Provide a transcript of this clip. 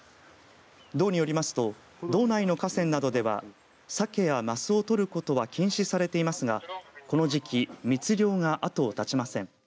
道によりますと道内の河川などではさけやますを取ることは禁止されていますがこの時期密猟が後を絶ちません。